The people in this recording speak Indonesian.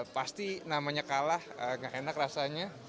pasti namanya kalah gak enak rasanya